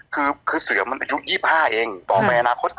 คือเสือมันอายุ๒๕เองต่อไปอนาคต